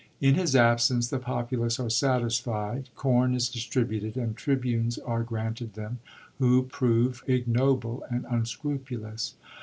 In his absence the populace are satisfied, corn is distributed, and tribunes are granted them, who prove ignoble and unscrupulous.